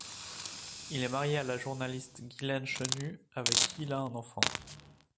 Il est marié à la journaliste Guilaine Chenu avec qui il a un enfant.